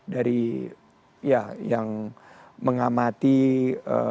dari ya yang mengamati ee